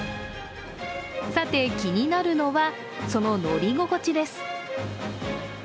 さて、気になるのは、その乗り心地です。